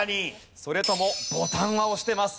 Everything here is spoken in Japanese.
それともボタンは押してます。